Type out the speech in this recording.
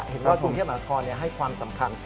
กรุงเทพมหานครให้ความสำคัญ